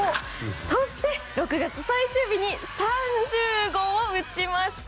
そして６月最終日に３０号を打ちました！